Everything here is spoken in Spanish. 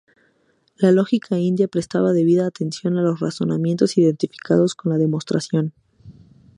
La lógica india prestaba debida atención a los "razonamientos", identificados con la "demostración".